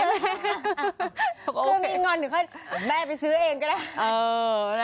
คือมีงอนหนึ่งค่อยแม่ไปซื้อเองก็ได้